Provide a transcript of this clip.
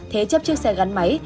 thế chấp chiếc xe gắn máy